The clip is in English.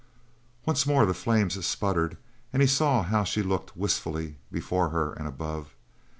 Once more the flames sputtered and he saw how she looked wistfully before her and above.